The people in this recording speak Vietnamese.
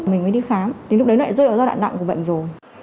mình mới đi khám thì lúc đấy lại rơi vào giai đoạn nặng của bệnh rồi